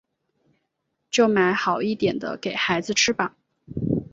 就买好一点的给孩子吃吧